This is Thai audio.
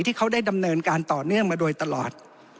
ที่เขาได้ดำเนินการต่อเนื่องมาโดยตลอด